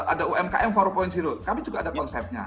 ada umkm empat kami juga ada konsepnya